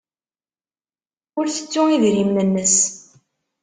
Ur tettu idrimen-nnes.